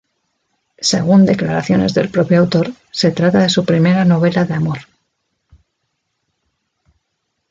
Según declaraciones del propio autor, se trata de su primera novela de amor.